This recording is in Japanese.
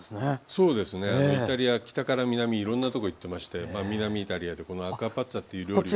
そうですねイタリア北から南いろんなとこへ行ってまして南イタリアでこのアクアパッツァという料理が。